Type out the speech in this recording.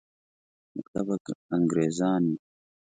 مطلب انګریزان وي.